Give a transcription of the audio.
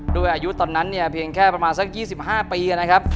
ด้วยอายุตอนนั้นเนี่ยเพียงแค่ประมาณสัก๒๕ปีนะครับ